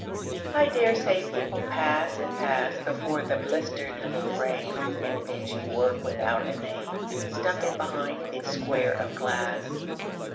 I dare say people pass and pass Before the blistered little frame, And dingy work without a name Stuck in behind its square of glass.